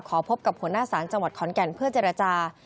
พบกับหัวหน้าศาลจังหวัดขอนแก่นเพื่อเจรจา